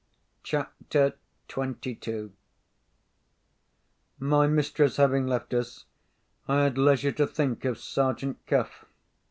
CHAPTER XXII My mistress having left us, I had leisure to think of Sergeant Cuff.